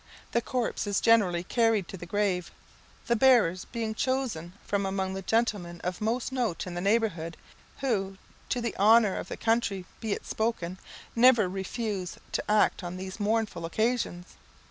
The corpse is generally carried to the grave, the bearers being chosen from among the gentlemen of most note in the neighbourhood, who, to the honour of the country be it spoken, never refuse to act on these mournful occasions.